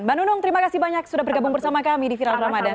mbak nunung terima kasih banyak sudah bergabung bersama kami di viral ramadan